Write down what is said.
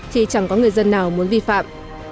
thì chẳng có người dân nào muốn vi phạm